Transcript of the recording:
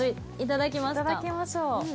頂きましょう。